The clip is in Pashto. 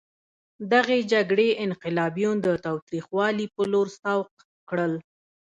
دغې جګړې انقلابیون د تاوتریخوالي په لور سوق کړل.